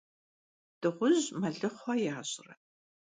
Dığuj melıxhue yaş're?